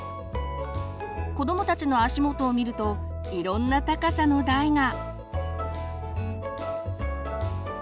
子どもたちの足元を見るといろんな高さの台が。